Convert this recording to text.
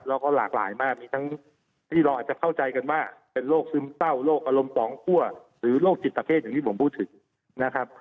เราก็หลากหลายมากมีทั้งที่เราอาจจะเข้าใจกันว่าเป็นโรคซึมเศร้าโรคอารมณ์ปองคั่วหรือโรคจิตเพศอย่างที่ผมพูดถึงนะครับ